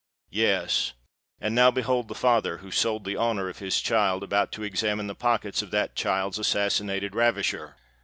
Yes:—and now behold the father, who sold the honour of his child, about to examine the pockets of that child's assassinated ravisher?